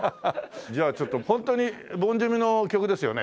じゃあちょっとホントにボン・ジョヴィの曲ですよね？